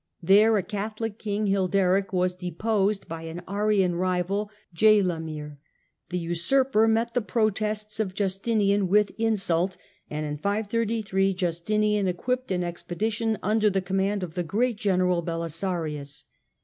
There a Catholic king, Hilderic, was deposed by an Arian rival, Geilamir. The usurper met the protests of Justinian with insult, and in 533 Justinian equipped an expedition under the command of the great general Belisarius.